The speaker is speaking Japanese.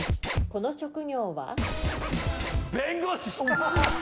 この職業は？